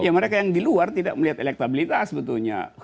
ya mereka yang di luar tidak melihat elektabilitas betulnya